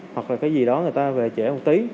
hoặc là cái gì đó người ta về trẻ một tí